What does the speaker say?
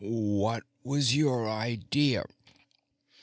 "What was your idea?"